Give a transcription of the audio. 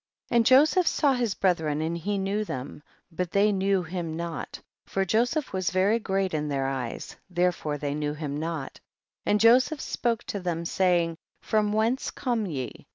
20. And Joseph saw his brethren, and he knew them, but they knew him not, for Joseph was very great in their eyes, therefore they knew him not. 21. And Joseph spoke to them, saying, from whence come ye